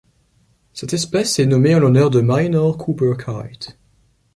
Cette espèce est nommée en l'honneur de Minor Cooper Keith.